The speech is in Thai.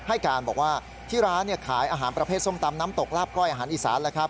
ให้การบอกว่าที่ร้านขายอาหารประเภทส้มตำน้ำตกลาบก้อยอาหารอีสานแล้วครับ